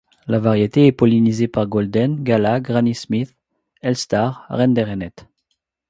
La variété est pollinisée par Golden, Gala, Granny Smith, Elstar, Reine des reinettes.